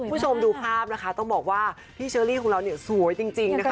คุณผู้ชมดูภาพนะคะต้องบอกว่าพี่เชอรี่ของเราเนี่ยสวยจริงนะคะ